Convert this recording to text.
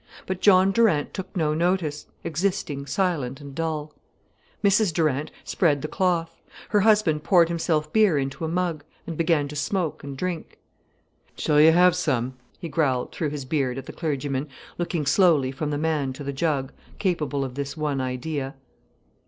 But John Durant took no notice, existing silent and dull. Mrs Durant spread the cloth. Her husband poured himself beer into a mug, and began to smoke and drink. "Shall you have some?" he growled through his beard at the clergyman, looking slowly from the man to the jug, capable of this one idea.